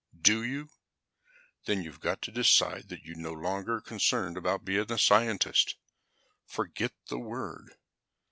"Do you? Then you've got to decide that you are no longer concerned about being a scientist. Forget the word.